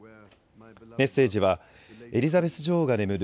メッセージはエリザベス女王が眠る